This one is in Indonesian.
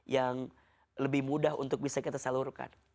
yang lebih mudah untuk bisa kita salurkan